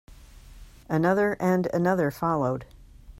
Another and another followed.